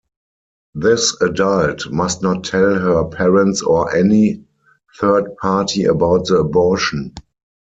This adult must not tell her parents or any third party about the abortion.